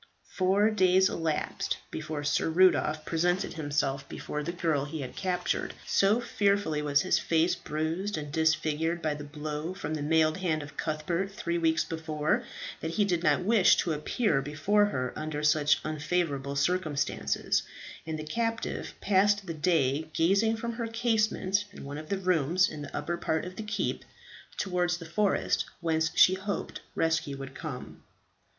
Four days elapsed before Sir Rudolph presented himself before the girl he had captured. So fearfully was his face bruised and disfigured by the blow from the mailed hand of Cuthbert three weeks before, that he did not wish to appear before her under such unfavourable circumstances, and the captive passed the day gazing from her casement in one of the rooms in the upper part of the keep, towards the forest whence she hoped rescue would come.